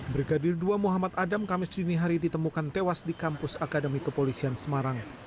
brigadir dua muhammad adam kamis dini hari ditemukan tewas di kampus akademi kepolisian semarang